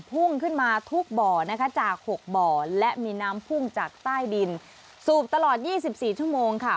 พุ่งขึ้นมาทุกบ่อนะคะจาก๖บ่อและมีน้ำพุ่งจากใต้ดินสูบตลอด๒๔ชั่วโมงค่ะ